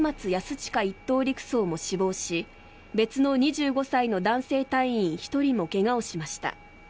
親１等陸曹も死亡し別の２５歳の男性隊員１人も怪我をしました。